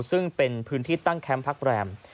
ซึ่งเป็นพื้นที่ตั้งแคมป์พักแรม